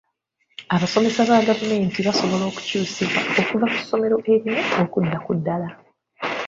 Abasomesa ba gavumenti basobola okukyusibwa okuva ku ssomero erimu okudda ku ddala.